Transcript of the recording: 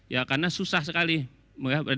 ya karena susah sekali